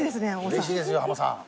うれしいですよ浜さん。